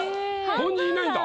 凡人いないんだ。